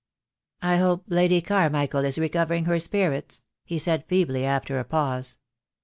"I hope Lady Carmichael is recovering her spirits," he said feebly, after a pause.